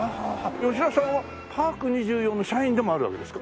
吉田さんはパーク２４の社員でもあるわけですか？